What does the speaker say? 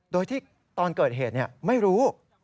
โดยที่ตอนเกิดเหตุไม่รู้